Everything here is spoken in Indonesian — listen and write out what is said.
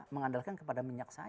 mengandalkan kepada minyak saja